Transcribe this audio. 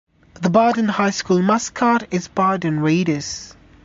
The Burden High School mascot is Burden Raiders.